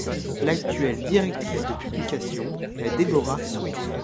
L'actuelle directrice de publication est Deborah Sweet.